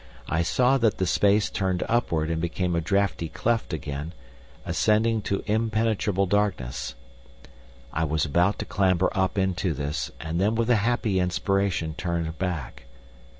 I saw that the space turned upward and became a draughty cleft again, ascending to impenetrable darkness. I was about to clamber up into this, and then with a happy inspiration turned back.